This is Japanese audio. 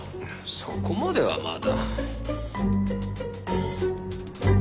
そこまではまだ。